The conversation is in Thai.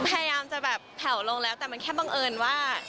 พยายามจะแบบเผาลงแล้วแต่มันแค่บังเอิญว่า